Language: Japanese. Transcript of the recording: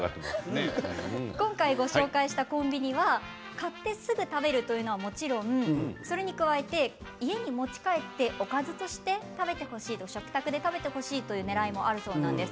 今回ご紹介したコンビニは買ってすぐ食べるというのはもちろんそれに加えて、家に持ち帰っておかずとして食べてほしい食卓で食べてほしいというねらいもあるそうなんです。